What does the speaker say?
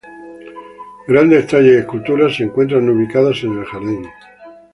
Grandes tallas y esculturas se encuentran ubicadas en el jardín.